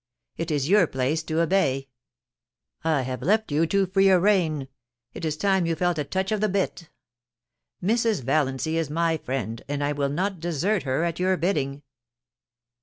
It is your place to obey. I have let you have too free a rein ; it is time you felt a touch of the bit. Mrs. Valiancy is my friend, and I will not desert her at your bidding.'